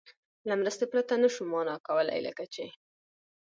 له مرستې پرته نه شو مانا کولای، لکه چې